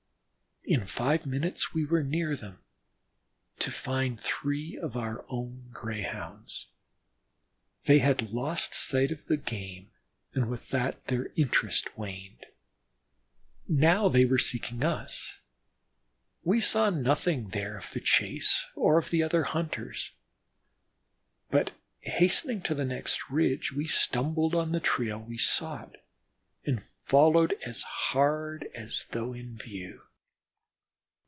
In five minutes we were near them, to find three of our own Greyhounds. They had lost sight of the game, and with that their interest waned. Now they were seeking us. We saw nothing there of the chase or of the other hunters. But hastening to the next ridge we stumbled on the trail we sought and followed as hard as though in view.